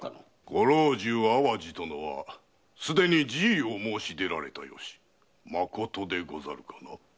御老中・淡路殿はすでに辞意を申し出られた由まことでござるかな？